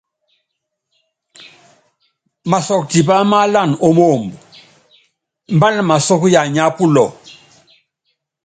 Masɔk tipá máálan ó moomb, mbál masɔ́k yanyá pulɔ.